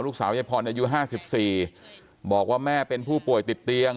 ยายพรอายุ๕๔บอกว่าแม่เป็นผู้ป่วยติดเตียง